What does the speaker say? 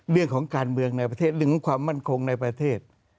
เรื่องของการเมืองในประเทศเรื่องของความมั่นคงในประเทศ